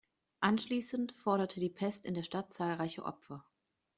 Anschließend forderte die Pest in der Stadt zahlreiche Opfer.